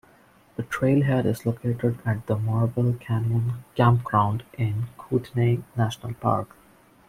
The trailhead is located at the Marble Canyon Campground in Kootenay National Park.